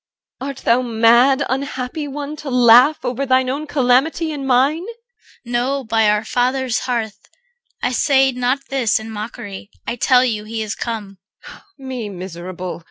Art thou mad, unhappy one, to laugh Over thine own calamity and mine? CHR. No, by our father's hearth, I say not this In mockery. I tell you he is come. EL. Me miserable!